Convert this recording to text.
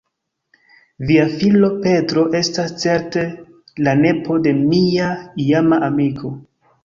Via filo, Petro, estas certe la nepo de mia iama amiko.